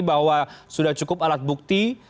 bahwa sudah cukup alat bukti